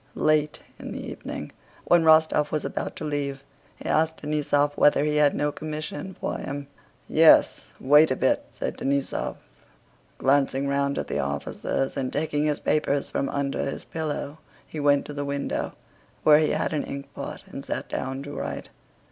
Late in the evening, when Rostóv was about to leave, he asked Denísov whether he had no commission for him. "Yes, wait a bit," said Denísov, glancing round at the officers, and taking his papers from under his pillow he went to the window, where he had an inkpot, and sat down to write.